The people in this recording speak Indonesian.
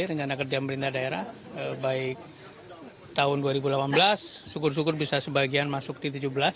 rencana kerja pemerintah daerah baik tahun dua ribu delapan belas syukur syukur bisa sebagian masuk di tujuh belas